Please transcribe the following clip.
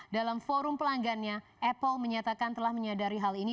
dalam forum pelanggannya apple menyatakan telah menyadari hal ini